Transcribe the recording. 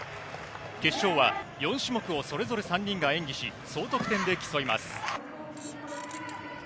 決勝は、４種目をそれぞれ３人が演技し、総得点で競います。